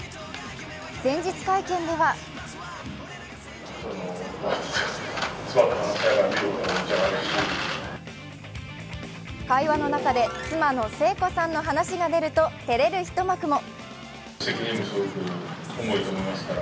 前日会見では会話の中で妻の聖子さんの話が出ると照れる一幕も。